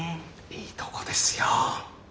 いいとこですよ。